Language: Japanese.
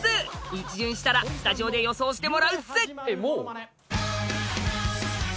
１巡したらスタジオで予想してもらうっす。